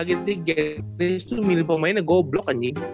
gitu gitu milih pemainnya goblok aja